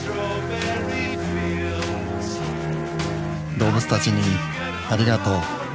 動物たちにありがとう。